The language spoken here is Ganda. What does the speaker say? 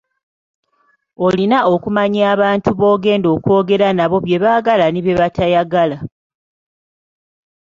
Olina okumanya abantu b'ogenda okwogera nabo bye baagala ne bye batayagala.